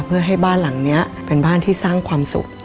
เพื่อให้บ้านหลังนี้เป็นบ้านที่สร้างความสุข